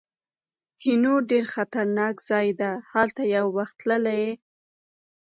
جینو: ډېر خطرناک ځای دی، هلته یو وخت تللی یې؟